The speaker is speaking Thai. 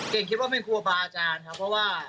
เก่งคิดว่าเป็นครูบัลอาจารย์เพราะว่า